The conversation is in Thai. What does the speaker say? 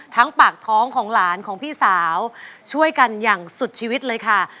ปากท้องของหลานของพี่สาวช่วยกันอย่างสุดชีวิตเลยค่ะ